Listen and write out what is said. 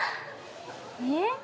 えっ？